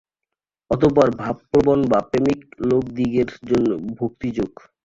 অতঃপর ভাবপ্রবণ বা প্রেমিক লোকদিগের জন্য ভক্তিযোগ।